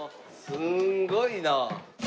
すんごいなあ。